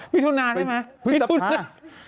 พี่ทุนาใช่ไหม